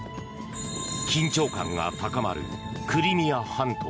緊張感が高まるクリミア半島。